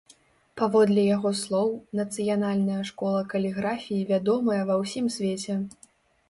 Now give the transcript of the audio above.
Паводле яго слоў, нацыянальная школа каліграфіі вядомая ва ўсім свеце.